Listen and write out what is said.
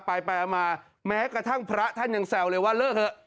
ไปไปมาแม้กระทั่งพระท่านยังแซวเลยว่าเลิกเถอะ